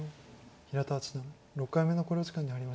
平田八段６回目の考慮時間に入りました。